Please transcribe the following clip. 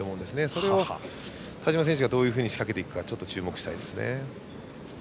それを、田嶋選手がどういうふうに仕掛けていくか注目したいですね。